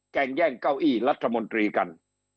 งแย่งเก้าอี้รัฐมนตรีกัน